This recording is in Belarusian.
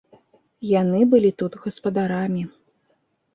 Яны былі тут гаспадарамі.